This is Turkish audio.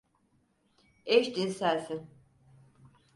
Eşcinselsin.